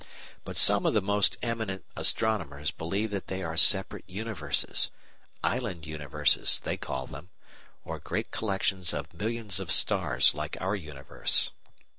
But some of the most eminent astronomers believe that they are separate universes "island universes" they call them or great collections of millions of stars like our universe.